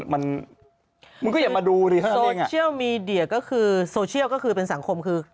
มันมันก็อย่ามาดูดิฮะโซเชียลมีเดียก็คือโซเชียลก็คือเป็นสังคมคือ